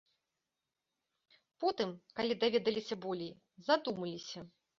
Потым, калі даведаліся болей, задумаліся.